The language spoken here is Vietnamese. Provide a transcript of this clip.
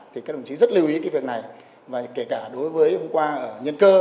thì các đồng chí rất lưu ý cái việc này và kể cả đối với hôm qua ở nhân cơ